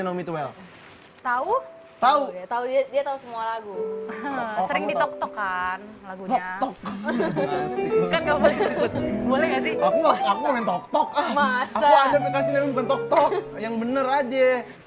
boleh nggak sih aku mau aku mau tok tok aku ada pekasihnya untuk tok tok yang bener aja